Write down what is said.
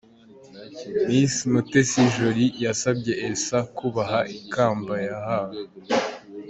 Miss Mutesi Jolly yasabye Elsa kubaha ikamba yahawe.